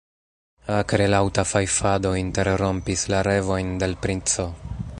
Akrelaŭta fajfado interrompis la revojn de l' princo.